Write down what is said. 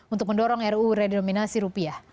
untuk mendorong ruu redenominasi rupiah